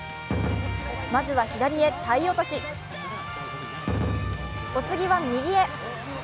まずは左へ体落とし、お次は右へ。